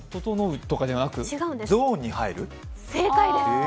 正解です。